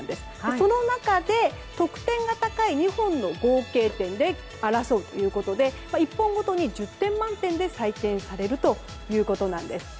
その中で得点が高い２本の合計点で争うということで１本ごとに１０点満点で採点されるということです。